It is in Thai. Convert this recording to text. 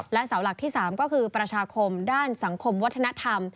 และเสาหลักที่๓ก็คือประชาคมด้านสังคมวัฒนธรรม